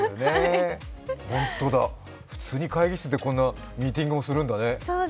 本当だ、普通に会議室でこんなミーティングもするんだね。